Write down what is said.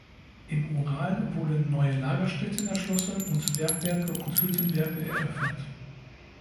Im Ural wurden neue Lagerstätten erschlossen und Bergwerke und Hüttenwerke eröffnet.